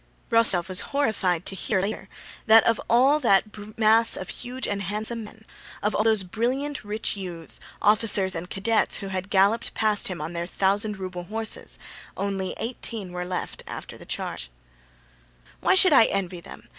Rostóv was horrified to hear later that of all that mass of huge and handsome men, of all those brilliant, rich youths, officers and cadets, who had galloped past him on their thousand ruble horses, only eighteen were left after the charge. "Why should I envy them?